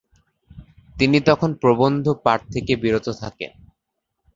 তিনি তখন প্রবন্ধ পাঠ থেকে বিরত থাকেন।